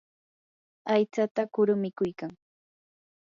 aychata kuru mikuykan.